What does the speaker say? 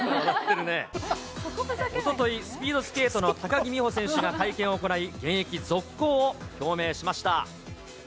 おととい、スピードスケートの高木美帆選手が会見を行い、現役続行を表明しました。